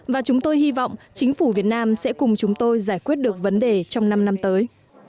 và chúng tôi hy vọng chính phủ việt nam sẽ cùng chúng tôi giải quyết được vấn đề trong năm năm tới